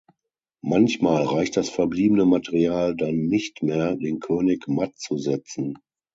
Manchmal reicht das verbliebene Material dann nicht mehr, den König matt zu setzen.